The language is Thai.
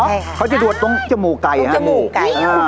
ใช่ค่ะเขาจะดูดตรงจมูกไก่ตรงจมูกไก่